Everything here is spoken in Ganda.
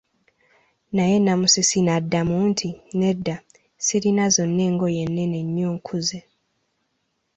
Naye Namusisi n'amuddamu nti, nedda, sirina zonna engoye nnene nnyo kunze.